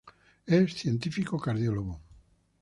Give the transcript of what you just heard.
Es Científico cardiólogo.